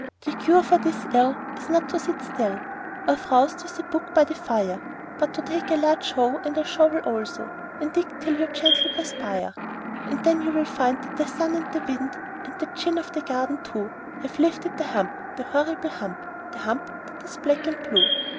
The cure for this ill is not to sit still, Or frowst with a book by the fire; But to take a large hoe and a shovel also, And dig till you gently perspire; And then you will find that the sun and the wind. And the Djinn of the Garden too, Have lifted the hump The horrible hump The hump that is black and blue!